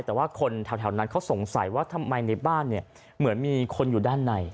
แต่ว่าคนแถวนั้นเขาสงสัยว่าทำไมในบ้านเนี่ยเหมือนมีคนอยู่ด้านใน